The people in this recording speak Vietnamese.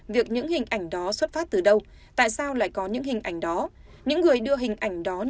việc những hình ảnh đó xuất phát từ đâu tại sao lại có những hình ảnh đó